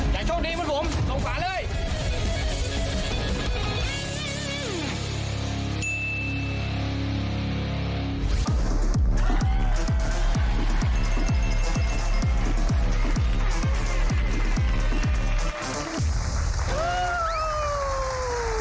อยากโชคดีเหมือนผมส่งฝ่าเลย